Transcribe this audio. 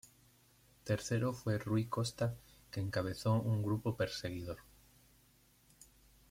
Tercero fue Rui Costa que encabezó un grupo perseguidor.